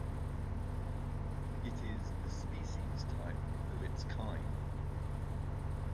It is the species type of its kind.